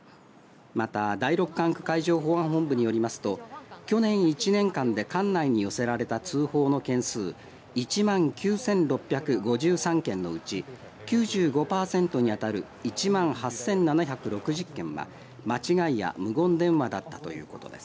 また、第６管区海上保安本部によりますと去年１年間で管内に寄せられた通報の件数１万９６５３件のうち９５パーセントに当たる１万８７６０件が間違いや無言電話だったということです。